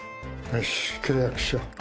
よし契約しよう。